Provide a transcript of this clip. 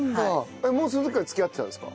もうその時から付き合ってたんですか？